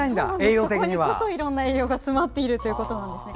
そこにいろんな栄養が詰まっているということですね。